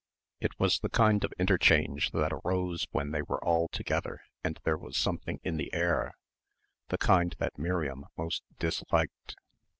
It was the kind of interchange that arose when they were all together and there was anything "in the air," the kind that Miriam most disliked.